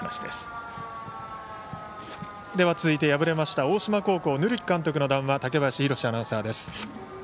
では、続いて敗れました大島高校塗木監督の談話竹林宏アナウンサーです。